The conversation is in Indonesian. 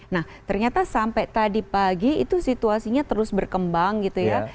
nah ternyata sampai tadi pagi itu situasinya terus berkembang gitu ya